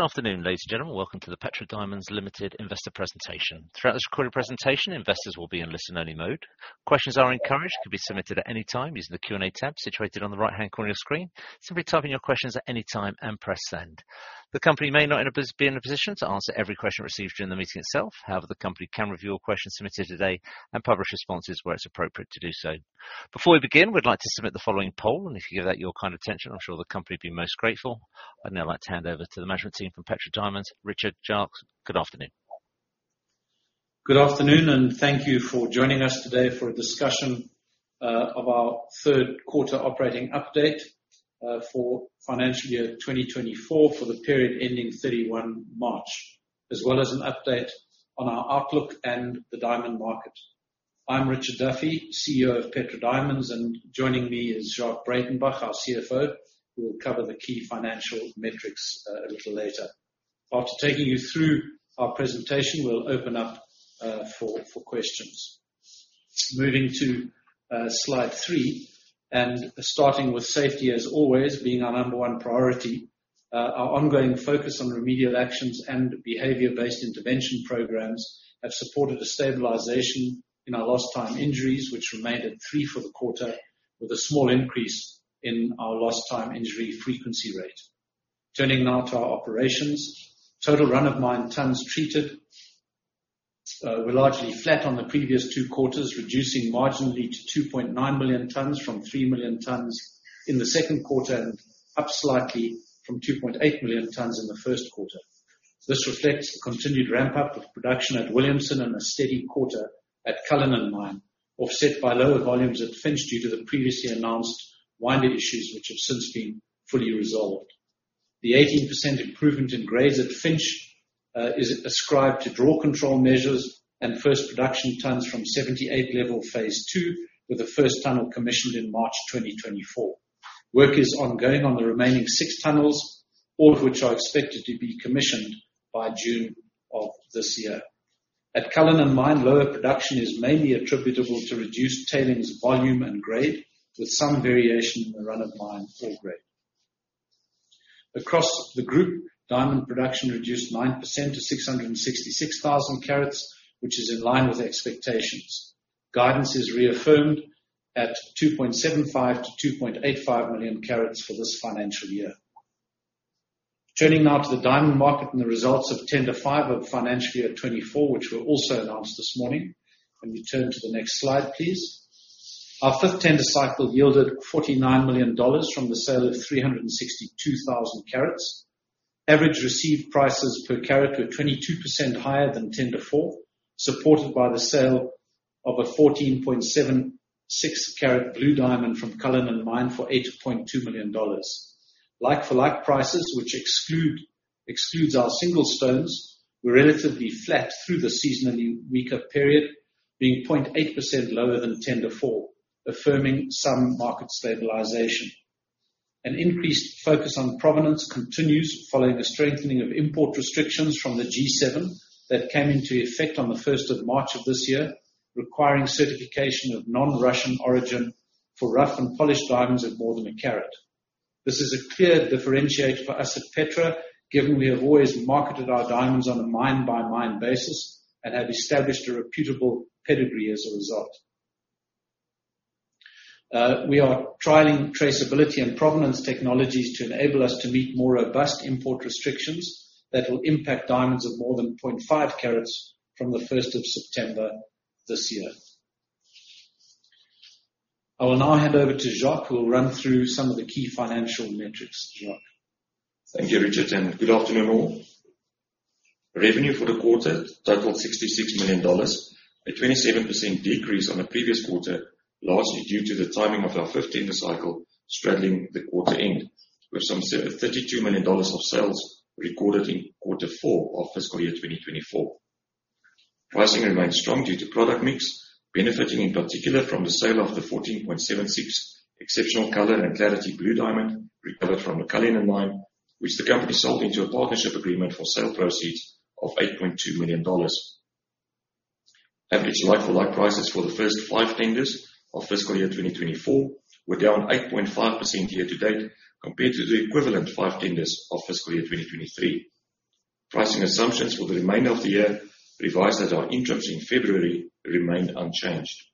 Good afternoon, ladies and gentlemen. Welcome to the Petra Diamonds Limited investor presentation. Throughout this recorded presentation, investors will be in listen-only mode. Questions are encouraged. They can be submitted at any time using the Q&A tab situated on the right-hand corner of your screen. Simply type in your questions at any time and press Send. The company may not be in a position to answer every question received during the meeting itself. However, the company can review all questions submitted today and publish responses where it's appropriate to do so. Before we begin, we'd like to submit the following poll, and if you give that your kind of attention, I'm sure the company would be most grateful. I'd now like to hand over to the management team from Petra Diamonds, Richard Duffy. Good afternoon. Good afternoon, and thank you for joining us today for a discussion of our third-quarter operating update for financial year 2024 for the period ending 31 March, as well as an update on our outlook and the diamond market. I'm Richard Duffy, CEO of Petra Diamonds, and joining me is Jacques Breytenbach, our CFO, who will cover the key financial metrics a little later. After taking you through our presentation, we'll open up for questions. Moving to slide three, and starting with safety as always being our number one priority, our ongoing focus on remedial actions and behavior-based intervention programs have supported a stabilization in our lost-time injuries, which remained at three for the quarter, with a small increase in our lost-time injury frequency rate. Turning now to our operations, total run-of-mine tons treated were largely flat on the previous two quarters, reducing marginally to 2.9 million tons from three million tons in the second quarter and up slightly from 2.8 million tons in the first quarter. This reflects a continued ramp-up of production at Williamson and a steady quarter at Cullinan Mine, offset by lower volumes at Finsch due to the previously announced winder issues, which have since been fully resolved. The 18% improvement in grades at Finsch is ascribed to draw control measures and first production tons from 78-Level Phase two, with the first tunnel commissioned in March 2024. Work is ongoing on the remaining six tunnels, all of which are expected to be commissioned by June of this year. At Cullinan Mine, lower production is mainly attributable to reduced tailings volume and grade, with some variation in the run-of-mine ore grade. Across the group, diamond production reduced 9% to 666,000 carats, which is in line with expectations. Guidance is reaffirmed at 2.75-2.85 million carats for this financial year. Turning now to the diamond market and the results of Tender five of financial year 2024, which were also announced this morning. Can you turn to the next slide, please? Our fifth tender cycle yielded $49 million from the sale of 362,000 carats. Average received prices per carat were 22% higher than Tender four, supported by the sale of a 14.76-carat blue diamond from Cullinan Mine for $8.2 million. Like-for-like prices, which exclude our single stones, were relatively flat through the seasonally weaker period, being 0.8% lower than Tender four, affirming some market stabilization. An increased focus on provenance continues following a strengthening of import restrictions from the G7 that came into effect on the 1st of March of this year, requiring certification of non-Russian origin for rough and polished diamonds of more than a carat. This is a clear differentiator for us at Petra, given we have always marketed our diamonds on a mine-by-mine basis and have established a reputable pedigree as a result. We are trialing traceability and provenance technologies to enable us to meet more robust import restrictions that will impact diamonds of more than 0.5 carats from the 1st of September this year. I will now hand over to Jacques, who will run through some of the key financial metrics. Jacques. Thank you, Richard, and good afternoon all. Revenue for the quarter totaled $66 million, a 27% decrease on the previous quarter, largely due to the timing of our fifth tender cycle straddling the quarter end, with some $32 million of sales recorded in quarter four of fiscal year 2024. Pricing remained strong due to product mix, benefiting in particular from the sale of the 14.76 exceptional color and clarity blue diamond recovered from the Cullinan Mine, which the company sold into a partnership agreement for sale proceeds of $8.2 million. Average like-for-like prices for the first five tenders of fiscal year 2024 were down 8.5% year to date compared to the equivalent five tenders of fiscal year 2023. Pricing assumptions for the remainder of the year revised at our interims in February remained unchanged.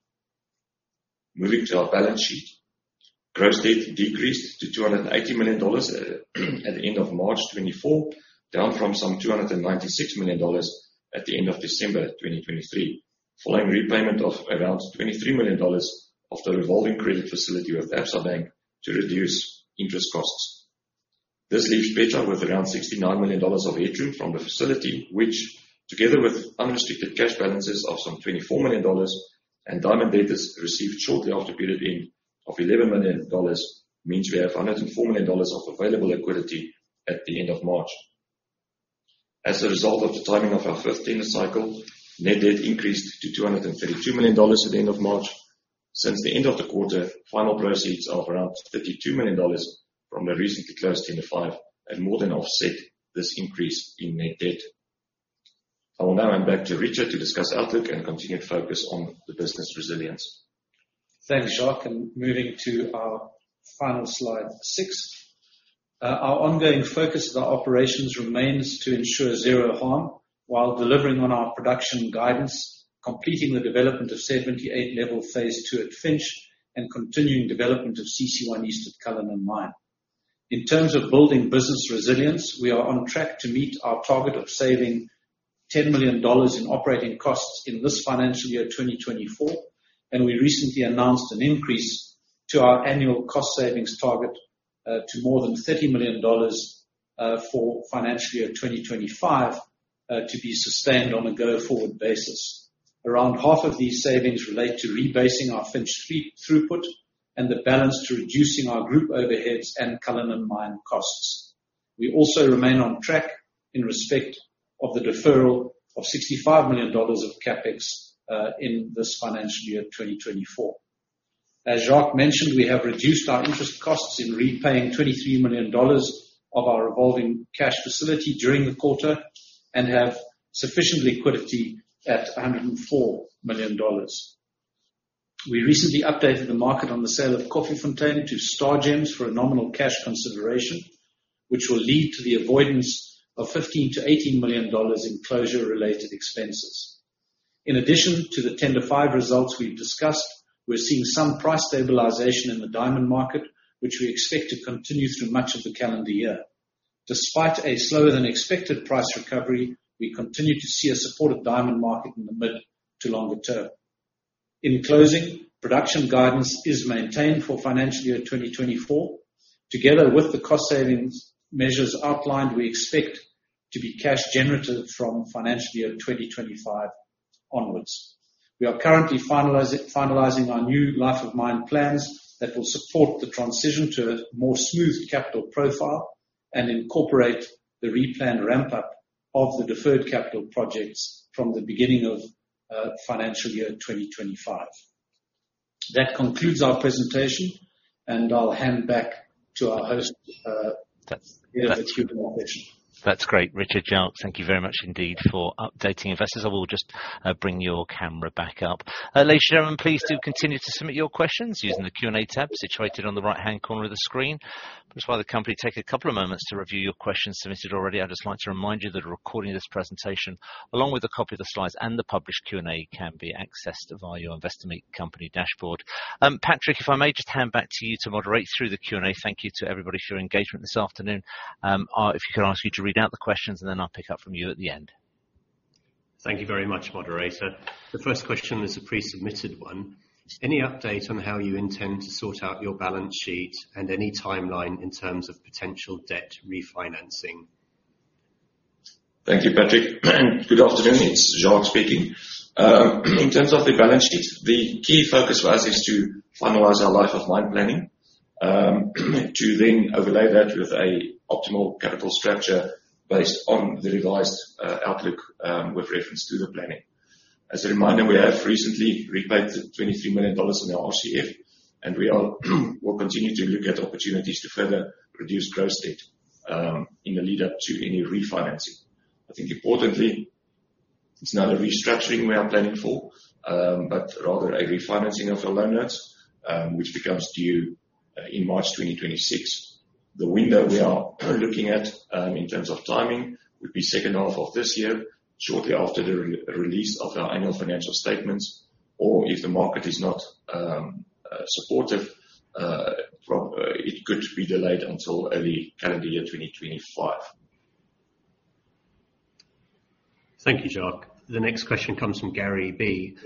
Moving to our balance sheet, gross debt decreased to $280 million at the end of March 2024, down from some $296 million at the end of December 2023, following repayment of around $23 million of the revolving credit facility with Absa Bank to reduce interest costs. This leaves Petra with around $69 million of headroom from the facility, which, together with unrestricted cash balances of some $24 million and diamond debtors received shortly after period end of $11 million, means we have $104 million of available liquidity at the end of March. As a result of the timing of our fifth tender cycle, net debt increased to $232 million at the end of March. Since the end of the quarter, final proceeds are of around $52 million from the recently closed Tender five and more than offset this increase in net debt. I will now hand back to Richard to discuss outlook and continued focus on the business resilience. Thanks, Jacques. Moving to our final slide six. Our ongoing focus of our operations remains to ensure zero harm while delivering on our production guidance, completing the development of 78-Level Phase two at Finsch, and continuing development of CC1 East at Cullinan Mine. In terms of building business resilience, we are on track to meet our target of saving $10 million in operating costs in this financial year 2024, and we recently announced an increase to our annual cost savings target, to more than $30 million, for financial year 2025, to be sustained on a go-forward basis. Around half of these savings relate to rebasing our Finsch's throughput and the balance to reducing our group overheads and Cullinan Mine costs. We also remain on track in respect of the deferral of $65 million of CapEx, in this financial year 2024. As Jacques mentioned, we have reduced our interest costs in repaying $23 million of our revolving credit facility during the quarter and have sufficient liquidity at $104 million. We recently updated the market on the sale of Koffiefontein to Stargems Group for a nominal cash consideration, which will lead to the avoidance of $15-$18 million in closure-related expenses. In addition to the Tender five results we've discussed, we're seeing some price stabilization in the diamond market, which we expect to continue through much of the calendar year. Despite a slower-than-expected price recovery, we continue to see a supportive diamond market in the mid to longer term. In closing, production guidance is maintained for financial year 2024. Together with the cost savings measures outlined, we expect to be cash-generative from financial year 2025 onwards. We are currently finalizing our new life-of-mine plans that will support the transition to a more smoothed capital profile and incorporate the replanned ramp-up of the deferred capital projects from the beginning of financial year 2025. That concludes our presentation, and I'll hand back to our host, here with you for the questions. That's great. Richard Duffy, thank you very much indeed for updating investors. I will just bring your camera back up. Ladies and gentlemen, please do continue to submit your questions using the Q&A tab situated on the right-hand corner of the screen. Please allow the company to take a couple of moments to review your questions submitted already. I'd just like to remind you that recording this presentation, along with a copy of the slides and the published Q&A, can be accessed via your Investor Meet Company dashboard. Patrick, if I may, just hand back to you to moderate through the Q&A. Thank you to everybody for your engagement this afternoon. If I could ask you to read out the questions, and then I'll pick up from you at the end. Thank you very much, moderator. The first question is a pre-submitted one. Any update on how you intend to sort out your balance sheet and any timeline in terms of potential debt refinancing? Thank you, Patrick. Good afternoon. It's Jacques speaking. In terms of the balance sheet, the key focus for us is to finalize our life-of-mine planning, to then overlay that with an optimal capital structure based on the revised outlook, with reference to the planning. As a reminder, we have recently repaid the $23 million in our RCF, and we'll continue to look at opportunities to further reduce gross debt, in the lead-up to any refinancing. I think, importantly, it's not a restructuring we are planning for, but rather a refinancing of our loan notes, which becomes due in March 2026. The window we are looking at, in terms of timing would be second half of this year, shortly after the release of our annual financial statements, or if the market is not supportive, or it could be delayed until early calendar year 2025. Thank you, Jacques. The next question comes from Gary B.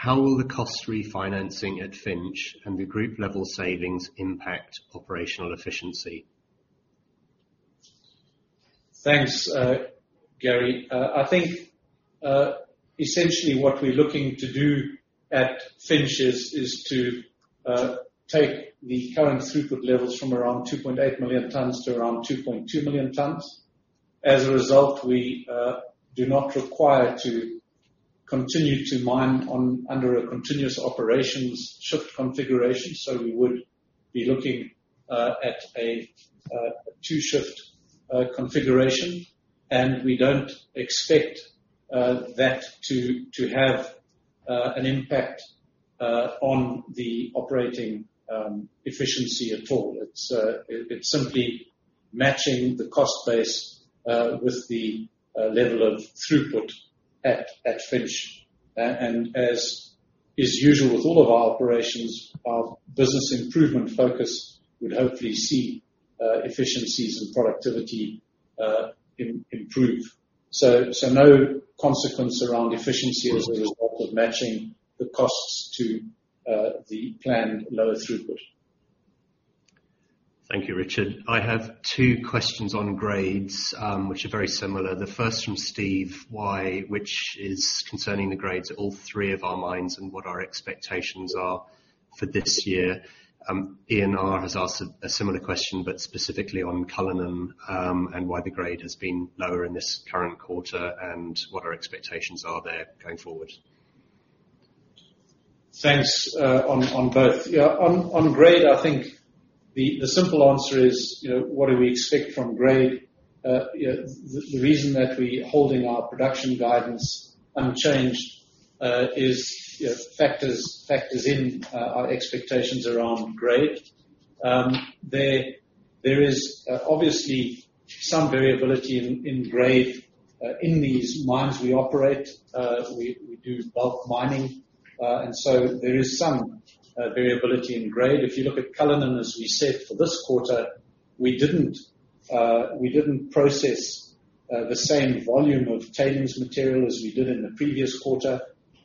How will the cost refinancing at Finsch and the group-level savings impact operational efficiency? Thanks, Gary. I think, essentially what we're looking to do at Finsch is to take the current throughput levels from around 2.8 million tons to around 2.2 million tons. As a result, we do not require to continue to mine on under a continuous operations shift configuration, so we would be looking at a two-shift configuration. And we don't expect that to have an impact on the operating efficiency at all. It's simply matching the cost base with the level of throughput at Finsch. And as is usual with all of our operations, our business improvement focus would hopefully see efficiencies and productivity improve. So no consequence around efficiency as a result of matching the costs to the planned lower throughput. Thank you, Richard. I have two questions on grades, which are very similar. The first from Steve Y, which is concerning the grades at all three of our mines and what our expectations are for this year. Ian R. has asked a similar question but specifically on Cullinan, and why the grade has been lower in this current quarter and what our expectations are there going forward. Thanks, on both. Yeah, on grade, I think the simple answer is, you know, what do we expect from grade? You know, the reason that we're holding our production guidance unchanged is, you know, factors in our expectations around grade. There is, obviously, some variability in grade in these mines we operate. We do bulk mining, and so there is some variability in grade. If you look at Cullinan, as we said, for this quarter, we didn't process the same volume of tailings material as we did in the previous quarter.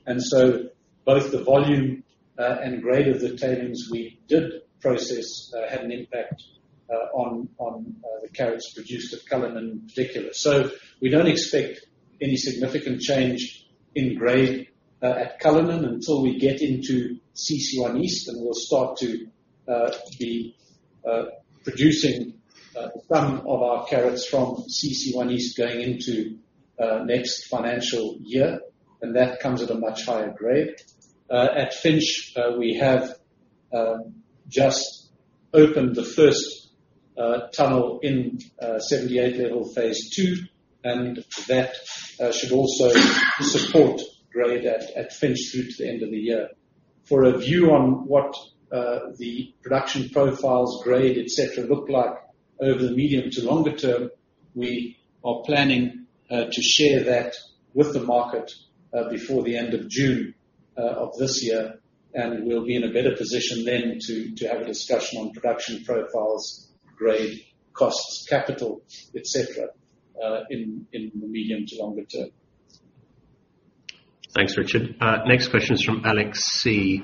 And so both the volume and grade of the tailings we did process had an impact on the carats produced at Cullinan in particular. So we don't expect any significant change in grade at Cullinan until we get into CC1 East, and we'll start to be producing some of our carats from CC1 East going into next financial year, and that comes at a much higher grade. At Finsch, we have just opened the first tunnel in 78-Level Phase two, and that should also support grade at Finsch through to the end of the year. For a view on what the production profiles, grade, etc., look like over the medium to longer term, we are planning to share that with the market before the end of June of this year, and we'll be in a better position then to have a discussion on production profiles, grade, costs, capital, etc., in the medium to longer term. Thanks, Richard. Next question is from Alex C.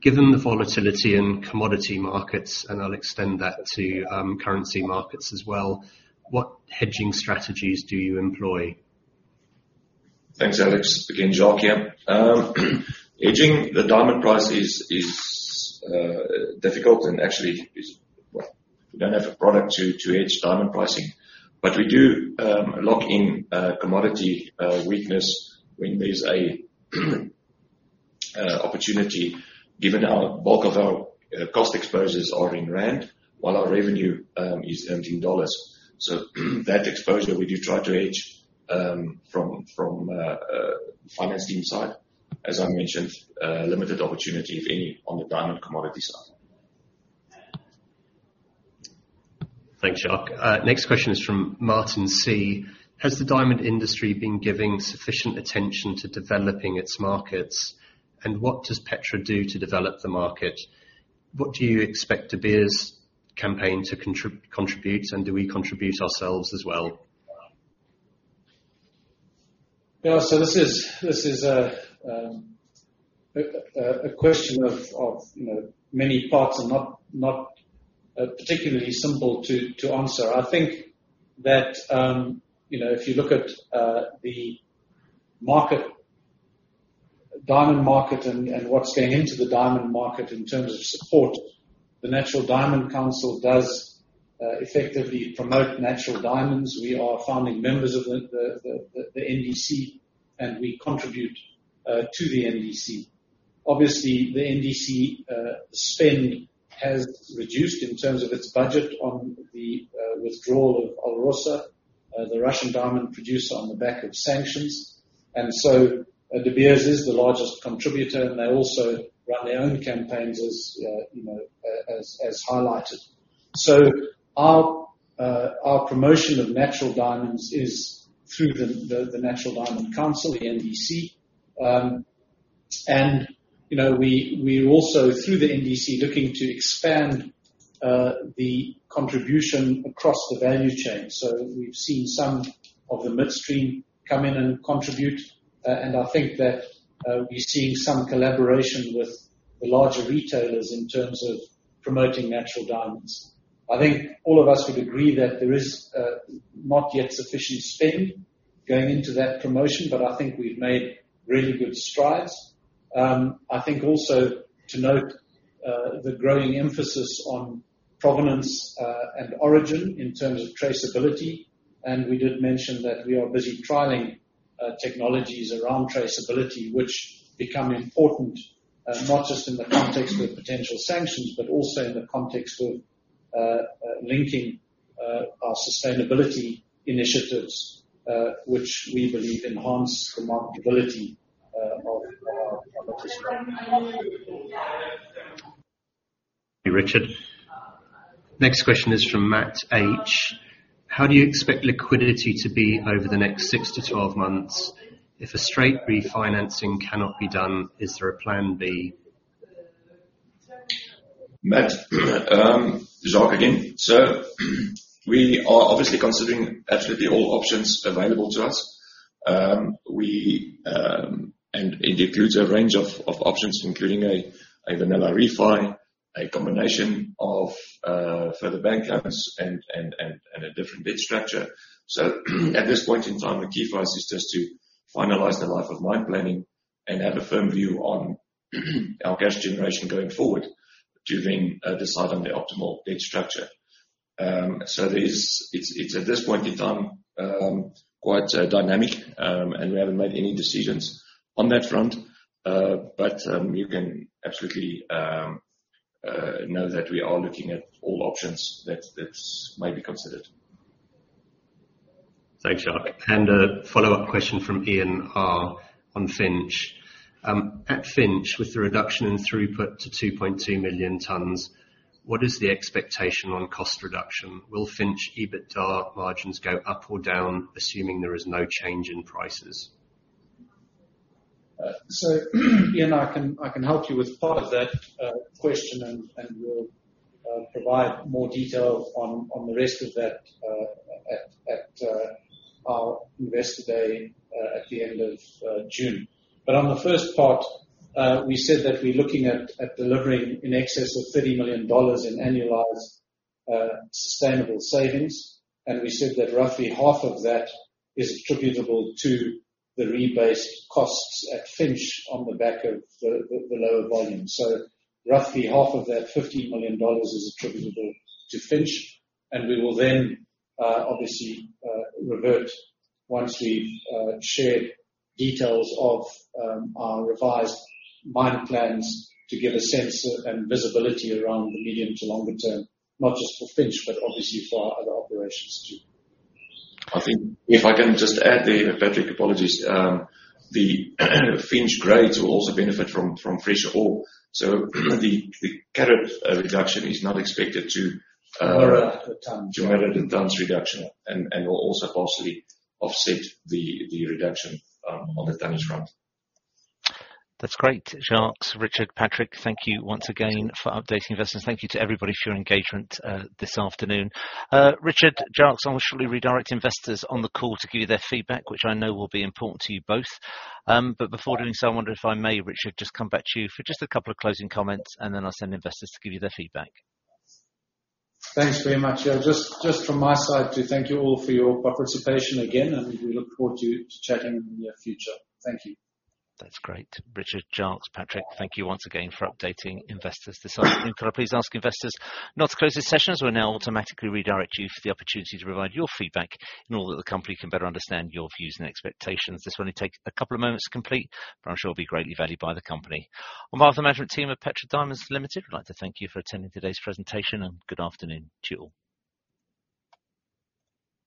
Given the volatility in commodity markets (and I'll extend that to currency markets as well) what hedging strategies do you employ? Thanks, Alex. Again, Jacques here. Hedging the diamond price is difficult and actually is well, we don't have a product to hedge diamond pricing. But we do lock in commodity weakness when there's an opportunity given our bulk of our cost exposures are in rand while our revenue is earned in dollars. So that exposure, we do try to hedge from the finance team side. As I mentioned, limited opportunity, if any, on the diamond commodity side. Thanks, Jacques. Next question is from Martin C. Has the diamond industry been giving sufficient attention to developing its markets, and what does Petra do to develop the market? What do you expect De Beers' campaign to contribute, and do we contribute ourselves as well? Yeah, so this is a question of, you know, many parts and not particularly simple to answer. I think that, you know, if you look at the diamond market and what's going into the diamond market in terms of support, the Natural Diamond Council does effectively promote natural diamonds. We are founding members of the NDC, and we contribute to the NDC. Obviously, the NDC spend has reduced in terms of its budget on the withdrawal of ALROSA, the Russian diamond producer, on the back of sanctions. And so, De Beers is the largest contributor, and they also run their own campaigns as, you know, as highlighted. So our promotion of natural diamonds is through the Natural Diamond Council, the NDC. you know, we are also, through the NDC, looking to expand the contribution across the value chain. So we've seen some of the midstream come in and contribute, and I think that we're seeing some collaboration with the larger retailers in terms of promoting natural diamonds. I think all of us would agree that there is not yet sufficient spend going into that promotion, but I think we've made really good strides. I think also to note the growing emphasis on provenance and origin in terms of traceability. We did mention that we are busy trialing technologies around traceability, which become important, not just in the context of potential sanctions but also in the context of linking our sustainability initiatives, which we believe enhance the marketability of our commodities. Thank you, Richard. Next question is from Matt H. How do you expect liquidity to be over the next six-12 months? If a straight refinancing cannot be done, is there a plan B? Matt, Jacques again. So we are obviously considering absolutely all options available to us. And it includes a range of options, including a vanilla refi, a combination of further bank accounts, and a different debt structure. So at this point in time, the key for us is just to finalize the life-of-mine planning and have a firm view on our cash generation going forward to then decide on the optimal debt structure. So it's at this point in time quite dynamic, and we haven't made any decisions on that front, but you can absolutely know that we are looking at all options that may be considered. Thanks, Jacques. A follow-up question from Ian R. on Finsch. At Finsch, with the reduction in throughput to 2.2 million tons, what is the expectation on cost reduction? Will Finsch EBITDA margins go up or down, assuming there is no change in prices? So Ian and I can help you with part of that question, and we'll provide more detail on the rest of that at our investor day at the end of June. But on the first part, we said that we're looking at delivering in excess of $30 million in annualized sustainable savings, and we said that roughly half of that is attributable to the rebase costs at Finsch on the back of the lower volume. So roughly half of that $15 million is attributable to Finsch, and we will then obviously revert once we've shared details of our revised mine plans to give a sense of and visibility around the medium to longer term, not just for Finsch but obviously for our other operations too. I think if I can just add there, Patrick, apologies, the Finsch grades will also benefit from fresh ore. So the carat reduction is not expected to, ROM tons. To more ROM tons reduction, and will also possibly offset the reduction on the tonnage front. That's great, Jacques, Richard, Patrick. Thank you once again for updating investors. Thank you to everybody for your engagement, this afternoon. Richard, Jacques, I will surely redirect investors on the call to give you their feedback, which I know will be important to you both. But before doing so, I wonder if I may, Richard, just come back to you for just a couple of closing comments, and then I'll send investors to give you their feedback. Thanks very much, yeah. Just from my side, to thank you all for your participation again, and we look forward to chatting in the near future. Thank you. That's great. Richard, Jacques, Patrick, thank you once again for updating investors this afternoon. Can I please ask investors not to close these sessions? We're now automatically redirecting you for the opportunity to provide your feedback in order that the company can better understand your views and expectations. This will only take a couple of moments to complete, but I'm sure it'll be greatly valued by the company. On behalf of the management team of Petra Diamonds Limited, we'd like to thank you for attending today's presentation, and good afternoon, to all.